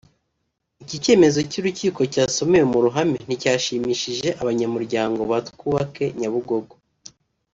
Iki cyemezo cy’urukiko cyasomewe mu ruhame nticyashimishije abanyamuryango ba “Twubake Nyabugogo”